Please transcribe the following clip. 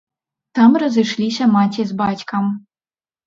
Там разышліся маці з бацькам.